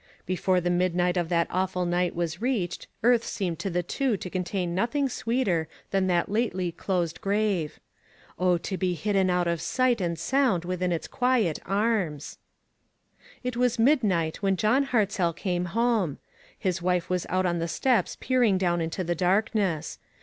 Before the midnight of that awful night was reached, earth seemed to the two to contain nothing sweeter than that lately closed grave. Oh "WHERE is JOHN?" 481 to be hidden out of sight and sound within its quiet arms ! It was midnight when John Hartzell came home. His wife was out on the steps peering down into the darkness.